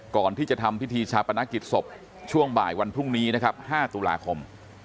ก่อนที่จะทำพิธีชาปนกิจศพช่วงบ่ายวันพรุ่งนี้นะครับ๕ตุลาคม